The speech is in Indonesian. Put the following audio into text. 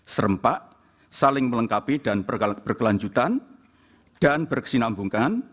serempak saling melengkapi dan berkelanjutan dan berkesinambungan